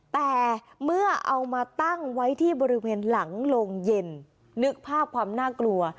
แต่เมื่อเอามาตั้งไว้ที่บริเวณหลังโรงเย็นนึกภาพความน่ากลัว